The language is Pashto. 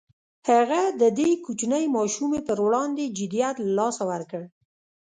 هغه د دې کوچنۍ ماشومې پر وړاندې جديت له لاسه ورکړ.